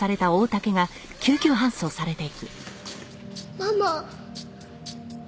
ママ。